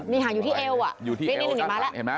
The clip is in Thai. นี่หางอยู่ที่เอวอะ